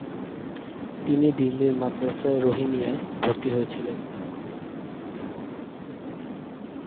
তিনি দিল্লির মাদ্রাসায়ে রহিমিয়্যায় ভর্তি হয়েছিলেন।